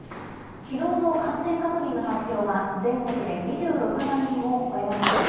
きのうの感染確認の発表は全国で２６万人を超えました。